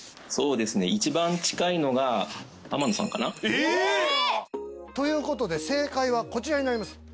そうですね一番近いのが天野さんかなえ！ということで正解はこちらになります